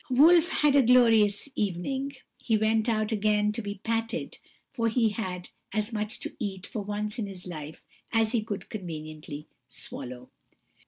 "Wolf had a glorious evening; he went about again to be patted, and he had as much to eat, for once in his life, as he could conveniently swallow.